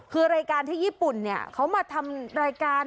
คือรายการที่ญี่ปุ่นเนี่ยเขามาทำรายการ